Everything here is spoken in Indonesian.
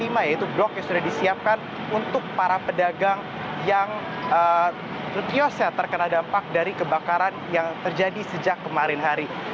yaitu blok yang sudah disiapkan untuk para pedagang yang kiosnya terkena dampak dari kebakaran yang terjadi sejak kemarin hari